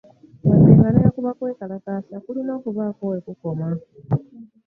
Wadde nga ne bwekuba kwekalakaasa kulina okubaako wekukoma.